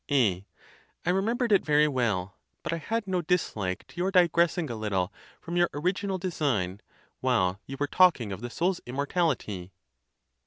A, I remembered it very well; but I had no dislike to your digressing a little from your original design, while you were talking of the soul's immortality.